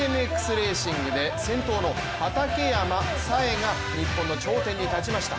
レーシングで先頭の畠山紗英が日本の頂点に立ちました。